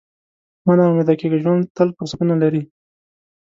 مه نا امیده کېږه، ژوند تل فرصتونه لري.